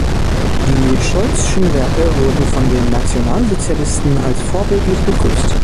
Die Scholz’schen Werke wurden von den Nationalsozialisten als vorbildlich begrüßt.